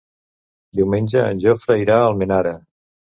Diumenge en Jofre irà a Almenara.